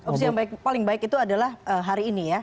opsi yang paling baik itu adalah hari ini ya